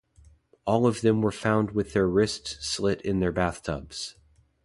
All of them were found with their wrists slit in their bathtubs.